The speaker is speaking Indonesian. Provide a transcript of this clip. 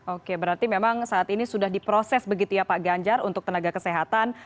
oke berarti memang saat ini sudah diproses begitu ya pak ganjar untuk tenaga kesehatan